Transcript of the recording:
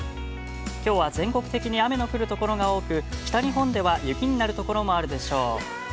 きょうは全国的に雨の降る所が多く、北日本では雪になるところもあるでしょう。